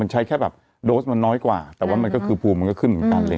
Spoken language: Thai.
ใช้แค่แบบโดสมันน้อยกว่าแต่ว่ามันก็คือภูมิมันก็ขึ้นเหมือนกัน